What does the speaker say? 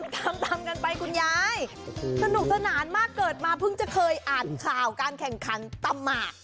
ตามกันไปคุณยายสนุกสนานมากเกิดมาเพิ่งจะเคยอ่านข่าวการแข่งขันตำหมาก